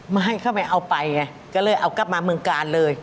ไม่ให้เขาไม่เอาไปไงก็เลยเอากลับมาเมืองกาลเลย